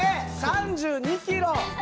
３２キロ！